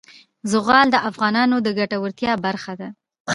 زغال د افغانانو د ګټورتیا برخه ده.